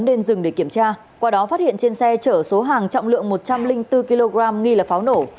lên rừng để kiểm tra qua đó phát hiện trên xe chở số hàng trọng lượng một trăm linh bốn kg nghi là pháo nổ